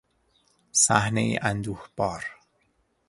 صحنهای اندوهبار